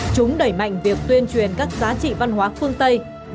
chúng đẩy mạnh việc tuyên truyền các giá trị văn hóa phương tây